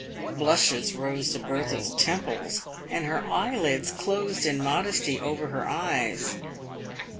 Blushes rose to Bertha's temples, and her eyelids closed in modesty over her eyes.